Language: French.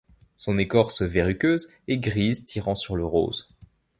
Son écorce verruqueuse est grise tirant sur le rose.